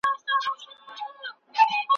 کاشکې ټولې نړۍ ته د مینې او اخلاص پیغام ورسیږي.